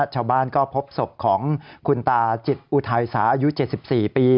ชาวบ้านก็พบศพของคุณตาจิตอุทัยสาอายุ๗๔ปี